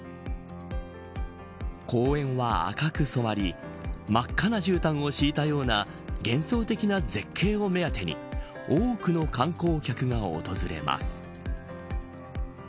公園は赤く染まり真っ赤なじゅうたんを敷いたような幻想的な絶景を目当てに多くの観光客が訪れます。